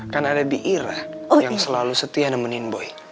kan ada di ira yang selalu setia nemenin boy